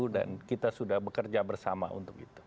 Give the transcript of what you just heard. dan kita sudah bekerja bersama untuk itu